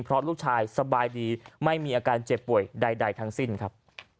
เพราะลูกชายสบายดีไม่มีอาการเจ็บป่วยใดทั้งสิ้นครับ